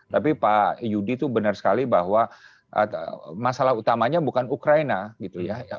tapi pak yudi itu benar sekali bahwa masalah utamanya bukan ukraina gitu ya